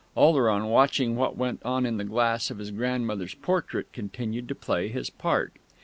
Oleron, watching what went on in the glass of his grandmother's portrait, continued to play his part.